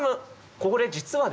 これ実はですね